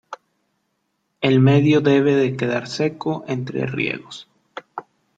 El medio debe de quedar seco entre riegos.